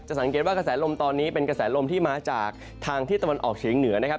สังเกตว่ากระแสลมตอนนี้เป็นกระแสลมที่มาจากทางที่ตะวันออกเฉียงเหนือนะครับ